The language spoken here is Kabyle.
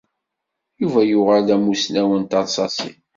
Yuba yuɣal d amussnaw n teṛsaṣin.